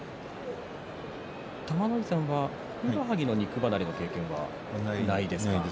玉ノ井さんは、ふくらはぎの肉離れという経験はありますか？